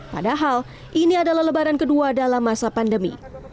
padahal ini adalah lebaran kedua dalam masa pandemi